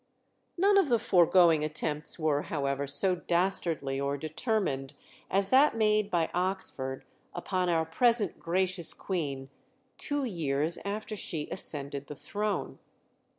None of the foregoing attempts were, however, so dastardly or determined as that made by Oxford upon our present gracious Queen two years after she ascended the throne.